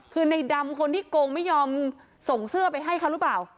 คือในดำคนที่โกงไม่ยอมส่งเสื้อไปให้เขาหรือเปล่า